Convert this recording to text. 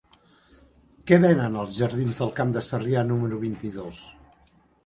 Què venen als jardins del Camp de Sarrià número vint-i-dos?